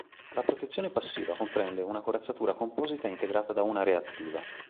La protezione passiva comprende una corazzatura composita integrata da una reattiva.